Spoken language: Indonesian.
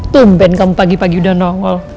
tumpen kamu pagi pagi udah nongol